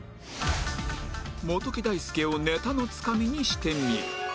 元木大介をネタのつかみにしてみる